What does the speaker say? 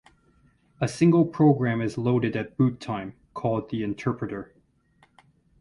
A single program is loaded at boot time, called the interpreter.